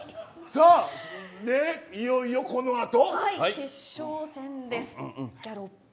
いよいよこの後。